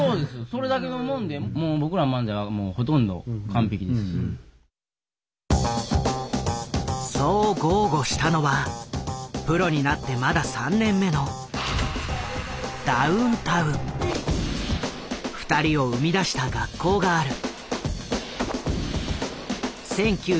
それだけのもんでもうそう豪語したのはプロになってまだ３年目の二人を生み出した学校がある。